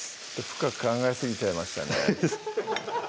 深く考えすぎちゃいましたね